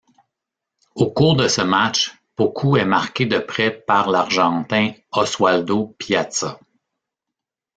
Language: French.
Au cours de ce match, Pokou est marqué de près par l'Argentin Oswaldo Piazza.